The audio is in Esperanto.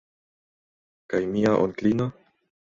Kaj mia onklino?